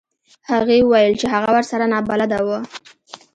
هغې وویل چې هغه ورسره نابلده و.